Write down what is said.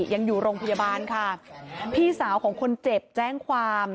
ยังอยู่โรงพยาบาลค่ะพี่สาวของคนเจ็บแจ้งความ